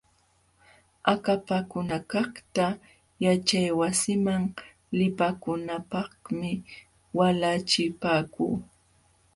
Akapakunakaqta yaćhaywasiman lipakunanpaqmi walachipaakuu.